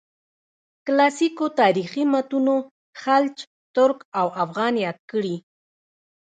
کلاسیکو تاریخي متونو خلج، ترک او افغان یاد کړي.